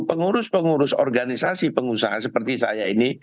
pengurus pengurus organisasi pengusaha seperti saya ini